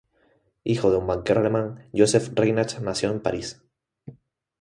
Hijo de un banquero alemán, "Joseph Reinach" nació en París.